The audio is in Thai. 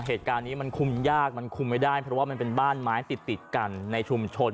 เหตุการณ์นี้มันคุมยากมันคุมไม่ได้เพราะว่ามันเป็นบ้านไม้ติดติดกันในชุมชน